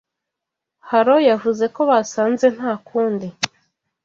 Haro yavuze ko basanze nta kundi